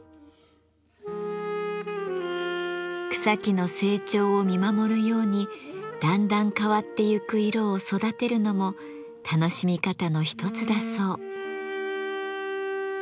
草木の成長を見守るようにだんだん変わってゆく色を育てるのも楽しみ方の一つだそう。